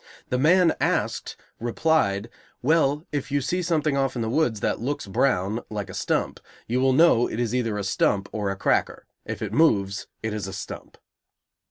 The man asked replied, "Well, if you see something off in the woods that looks brown, like a stump, you will know it is either a stump or a cracker; if it moves, it is a stump."